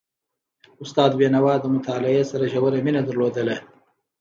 استاد بينوا د مطالعې سره ژوره مینه درلودله.